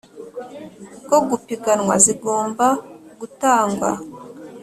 Bwo gupiganwa zigomba gutangwa